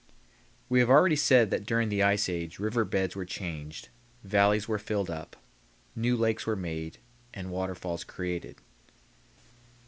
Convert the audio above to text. We have already said that during the ice age river beds were changed, valleys were filled up, new lakes were made, and waterfalls created.